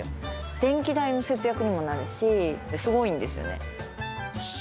電気代の節約にもなるしすごいんですよね